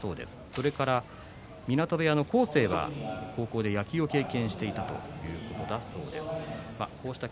そして湊部屋の煌星は高校で野球を経験していたということだそうです。